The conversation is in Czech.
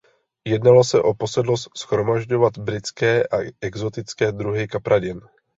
Jednalo se o posedlost shromažďovat britské a exotické druhy kapradin.